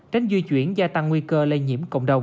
tránh di chuyển gia tăng nguy cơ lây nhiễm cộng đồng